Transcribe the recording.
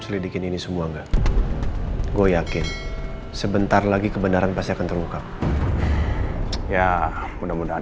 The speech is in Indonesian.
selidikin ini semua enggak gue yakin sebentar lagi kebenaran pasti akan terungkap ya mudah mudahan